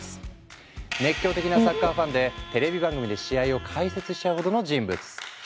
熱狂的なサッカーファンでテレビ番組で試合を解説しちゃうほどの人物。